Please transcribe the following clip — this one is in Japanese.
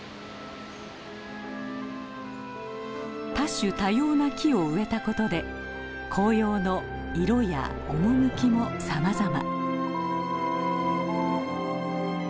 多種多様な木を植えたことで紅葉の色や趣もさまざま。